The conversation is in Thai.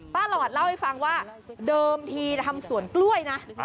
หลอดเล่าให้ฟังว่าเดิมทีทำสวนกล้วยนะ